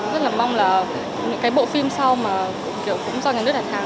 rất là mong là cái bộ phim sau mà cũng do nhà nước đặt hàng